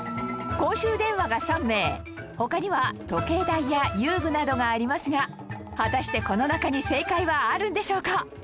公衆電話が３名他には時計台や遊具などがありますが果たしてこの中に正解はあるんでしょうか？